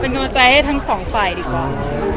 เป็นกำลังใจให้ทั้งสองฝ่ายดีกว่า